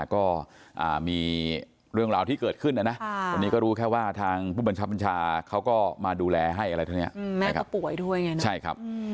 เขาบอกว่าไม่อยากคิดมาก